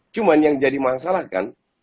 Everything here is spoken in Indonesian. cuma yang jadi masalah kan